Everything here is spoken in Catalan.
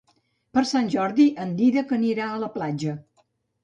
Per Sant Jordi en Dídac anirà a la platja.